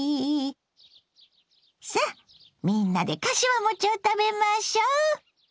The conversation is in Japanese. さっみんなでかしわ餅を食べましょう。